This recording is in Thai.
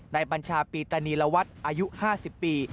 ในบัญชาปีตานีลวัฒน์อายุ๕๐ปี